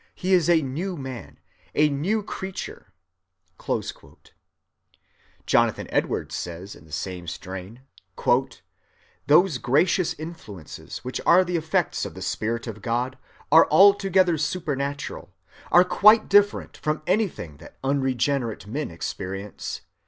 He is a new man, a new creature." And Jonathan Edwards says in the same strain: "Those gracious influences which are the effects of the Spirit of God are altogether supernatural—are quite different from anything that unregenerate men experience.